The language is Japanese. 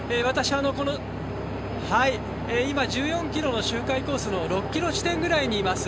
今、１４ｋｍの周回コースの６ｋｍ地点にいます。